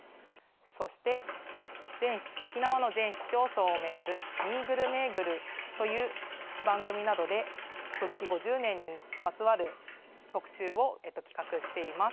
そして、沖縄の全市町村を巡る「みーぐるめーぐる」という番組などで復帰５０年にまつわる特集を企画しています。